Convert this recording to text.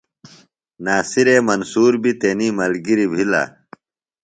ناصرے منصور بیۡ تنی ملگریۡ بِھلہ۔